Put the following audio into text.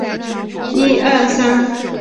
清代乾隆年间已有名气。